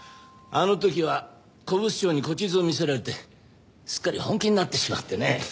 あの時は古物商に古地図を見せられてすっかり本気になってしまってね。